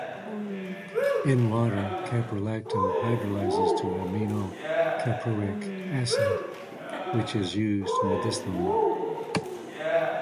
In water, caprolactam hydrolyzes to aminocaproic acid, which is used medicinally.